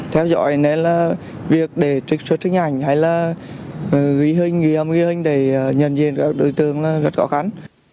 theo dõi việc để trích xuất trích ảnh hay là ghi hình ghi âm ghi hình để nhận diện các đối tượng là rất khó khăn